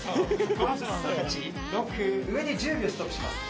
上で１０秒ストップします。